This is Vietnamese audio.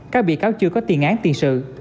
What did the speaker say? các bị cáo chưa có tiền án tiền sự